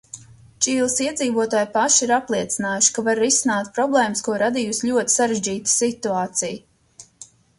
Čīles iedzīvotāji paši ir apliecinājuši, ka var risināt problēmas, ko radījusi ļoti sarežģīta situācija.